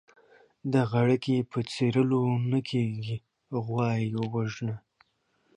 د غړکي په څيرلو نه کېږي ، غوا يې ووژنه.